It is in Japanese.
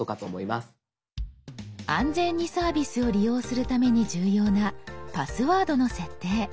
安全にサービスを利用するために重要なパスワードの設定。